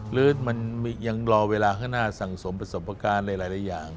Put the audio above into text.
หรือมันยังรอเวลาข้างหน้าสั่งสมประสบการณ์หลายอย่าง